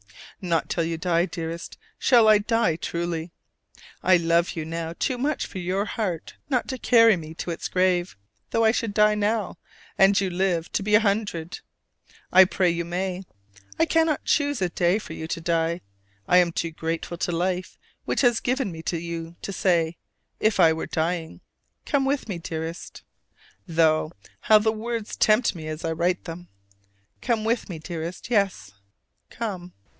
Not till you die, dearest, shall I die truly! I love you now too much for your heart not to carry me to its grave, though I should die now, and you live to be a hundred. I pray you may! I cannot choose a day for you to die. I am too grateful to life which has given me to you to say if I were dying "Come with me, dearest!" Though, how the words tempt me as I write them! Come with me, dearest: yes, come!